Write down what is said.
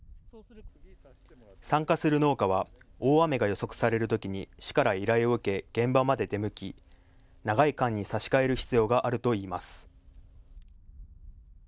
参加する農家は大雨が予測されるときに市から依頼を受け現場まで出向き長い管に差し替える必要があるといいます。